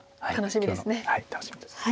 楽しみですね。